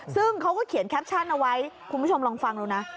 ซึ่งเขาก็เขียนแคปชั่นเอาไว้คุณผู้ชมลองฟังดูนะ